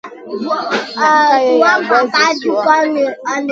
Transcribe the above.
Nay kalèh yagoua zi suʼu.